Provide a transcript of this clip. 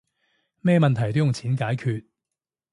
咩問題都用錢解決